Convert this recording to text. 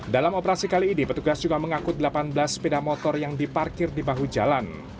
dalam operasi kali ini petugas juga mengakut delapan belas sepeda motor yang diparkir di bahu jalan